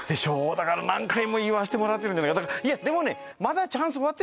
だから何回も言わせてもらってるいやでもね